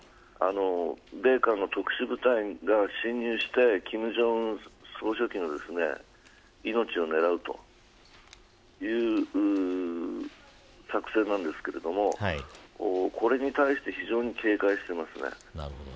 米韓の特殊部隊が侵入して金正恩総書記の命を狙うという作戦なんですけどこれに対して非常に警戒しています。